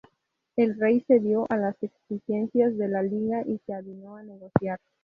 El rey cedió a las exigencias de la Liga y se avino a negociar.